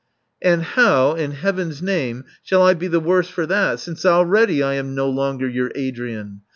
*' And how, in heaven *s name, shall I be the worse for that, since already I am no longer your Adrian?